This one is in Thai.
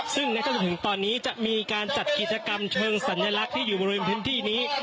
ซึ่งในจนถึงตอนนี้จะมีการจัดกิจกรรมเชิงสัญลักษณ์ที่อยู่บริเวณพื้นที่นี้